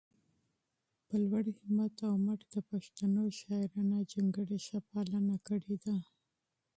په لوړ همت او مټ د پښتو شاعرانه جونګړې ښه پالنه کړي ده